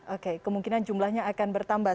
oke kemungkinan jumlahnya akan bertambah